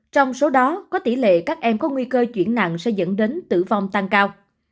trong số đó có tỷ lệ các em có nguy cơ chuyển nặng sẽ dẫn đến tử vong tăng cao